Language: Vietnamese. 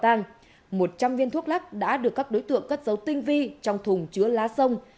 trong đường dây này một trăm linh viên thuốc lắc đã được các đối tượng cất dấu tinh vi trong thùng chứa lá sông